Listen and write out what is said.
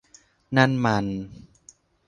นั่นมัน